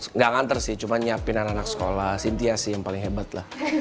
enggak nganter sih cuma nyiapin anak anak sekolah sintia sih yang paling hebatlah